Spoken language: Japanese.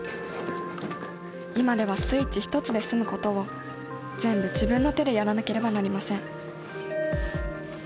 今ではスイッチ一つで済むことを全部自分の手でやらなければなりません